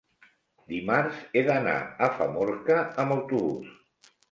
Dimarts he d'anar a Famorca amb autobús.